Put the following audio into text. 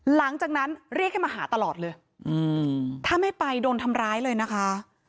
หลังจากนั้นเรียกให้มาหาตลอดเลยถ้าไม่ไปโดนทำร้ายเลยนะคะ